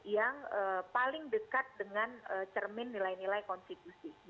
yang paling dekat dengan cermin nilai nilai konstitusi